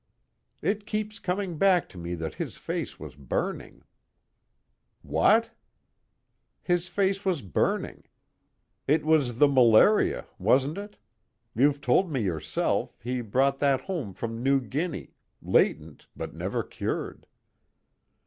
"It keeps coming back to me that his face was burning." "What?" "His face was burning. It was the malaria. Wasn't it? You've told me yourself, he brought that home from New Guinea, latent but never cured."